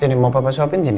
ini mau papa suapin sini